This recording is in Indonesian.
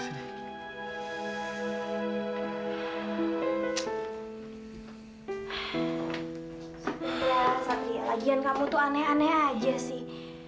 satria satria lagian kamu tuh aneh aneh aja sih